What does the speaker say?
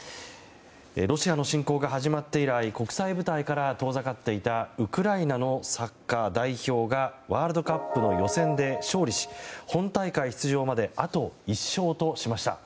ロシアの侵攻が始まって以来国際舞台から遠ざかっていたウクライナのサッカー代表がワールドカップの予選で勝利し本大会出場まであと１勝としました。